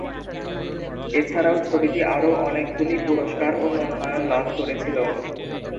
এছাড়াও ছবিটি আরও অনেকগুলি পুরস্কার ও মনোনয়ন লাভ করেছিল।